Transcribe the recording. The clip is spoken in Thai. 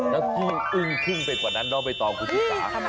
แล้วที่อึงขึ้นไปกว่านั้นเจ้าบ้ายตอบกุฒิตรี